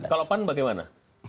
kalau pan bagaimana